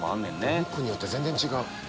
お肉によって全然違う。